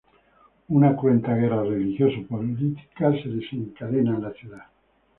Una cruenta guerra religioso-política se desencadena en la ciudad.